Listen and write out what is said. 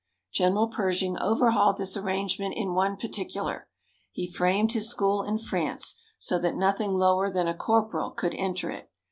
General Pershing overhauled this arrangement in one particular: he framed his school in France so that nothing lower than a corporal could enter it.